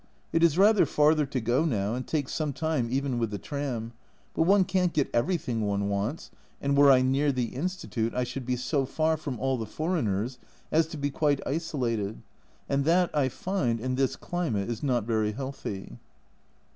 It is rather farther to go now, and takes some time even with the tram, but one can't get everything one wants, and were I near the Institute, I should be so far from all the foreigners as to be quite isolated, and that, I find, in this climate, is not very healthy.